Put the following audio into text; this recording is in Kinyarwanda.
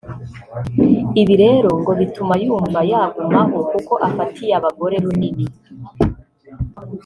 Ibi rero ngo bituma yumva yagumaho kuko afatiye abagore runini